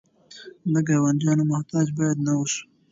د ګاونډیانو محتاج باید نه اوسو.